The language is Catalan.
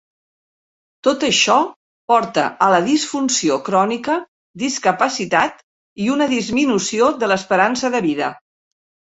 Tot això porta a la disfunció crònica, discapacitat i una disminució de l'esperança de vida.